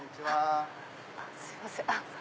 すいません。